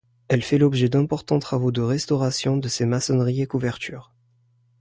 Elle fait l’objet d’importants travaux de restauration de ses maçonneries et couvertures.